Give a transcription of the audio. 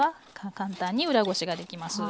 簡単に裏ごしができます。